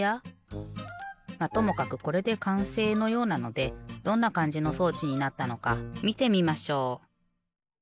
まっともかくこれでかんせいのようなのでどんなかんじの装置になったのかみてみましょう。